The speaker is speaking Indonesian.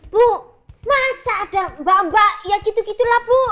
bu masa ada mbak mbak yang gitu gitulah bu